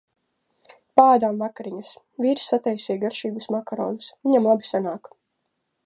Paēdam vakariņas. Vīrs sataisīja garšīgus makaronus, viņam labi sanāk.